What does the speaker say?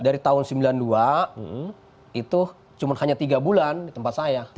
dari tahun sembilan puluh dua itu cuma hanya tiga bulan di tempat saya